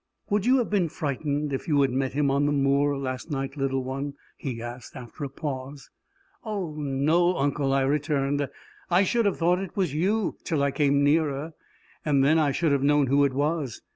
"Would you have been frightened if you had met him on the moor last night, little one?" he asked, after a pause. "Oh, no, uncle!" I returned. "I should have thought it was you till I came nearer, and then I should have known who it was!